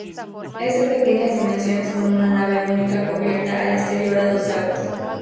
Es de pequeñas dimensiones con una nave única, cubierta al exterior a dos aguas.